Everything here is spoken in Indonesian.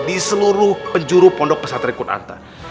di seluruh penjuru pondok pesatri kunanta